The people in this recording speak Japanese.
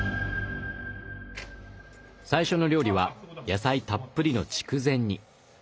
最初の料理は野菜たっぷりの筑前煮。